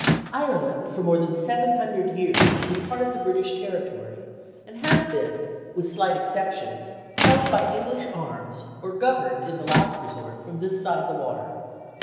Ireland for more than seven hundred years has been part of the British territory, and has been with slight exceptions held by English arms, or governed in the last resort from this side the water.